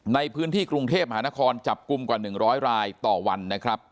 ในพื้นที่กรุงเทพมหานครจับกลุ่มกว่า๑๐๐รายต่อวันนะครับ